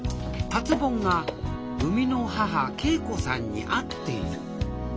達ぼんが生みの母桂子さんに会っている。